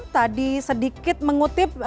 tadi sedikit mengutip